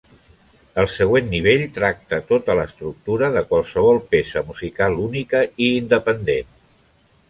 El següent nivell tracta tota l'estructura de qualsevol peça musical única i independent.